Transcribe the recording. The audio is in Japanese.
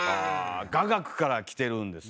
雅楽からきてるんですねえ。